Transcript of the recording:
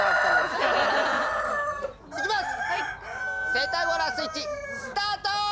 セタゴラスイッチスタート！